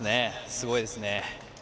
すごいですね。